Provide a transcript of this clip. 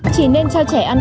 khi cho trẻ ăn